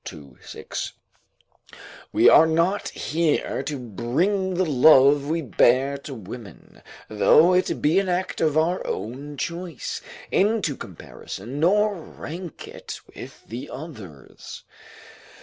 2, 6.] We are not here to bring the love we bear to women, though it be an act of our own choice, into comparison, nor rank it with the others.